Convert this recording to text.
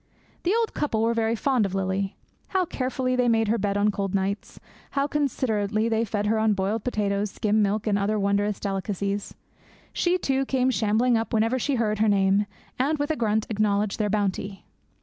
The old couple were very fond of Lily. How carefully they made her bed on cold nights! How considerately they fed her on boiled potatoes, skim milk, and other wondrous delicacies! She, too, came shambling up whenever she heard her name, and, with a grunt, acknowledged their bounty.